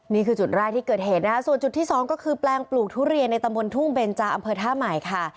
นี่คือจุดแรกที่เกิดเหตุนะคะส่วนจุดที่สองก็คือแปลงปลูกทุเรียนในตำบลทุ่งเบนจาอำเภอท่าใหม่ค่ะ